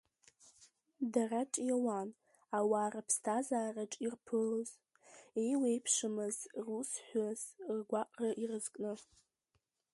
Дара ҿиауан ауаа рыԥсҭазаараҿ ирԥылоз, еиуеиԥшымыз русҳәыс, ргәаҟра ирызкны.